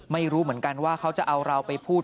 ไม่รู้เหมือนกันว่าเขาจะเอาเราไปพูด